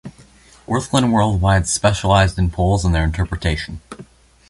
Wirthlin Worldwide specialized in polls and their interpretation.